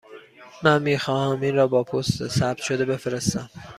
من می خواهم این را با پست ثبت شده بفرستم.